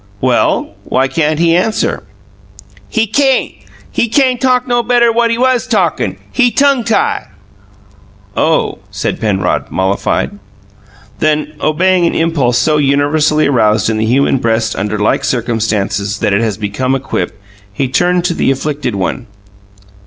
"Well, why can't he answer?" "He can't. He can't talk no better'n what he WAS talkin'. He tongue tie'." "Oh," said Penrod, mollified. Then, obeying an impulse so universally aroused in the human breast under like circumstances that it has become a quip, he turned to the afflicted one.